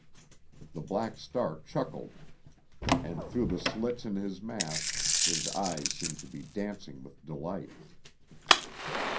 The Black Star chuckled, and through the slits in his mask his eyes seemed to be dancing with delight.